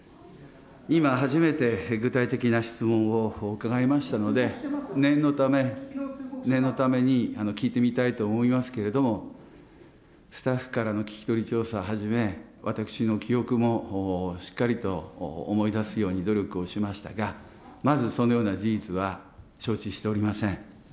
今初めて具体的な質問を伺いましたので、念のため、念のために聞いてみたいと思いますけれども、スタッフからの聞き取り調査はじめ、私の記憶もしっかりと思い出すように努力をしましたが、まずそのような事実は承知しておりません。